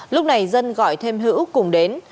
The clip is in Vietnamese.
lúc này dân gọi thêm hữu cùng đến